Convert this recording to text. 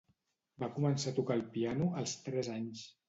Va començar a tocar el piano als tres anys.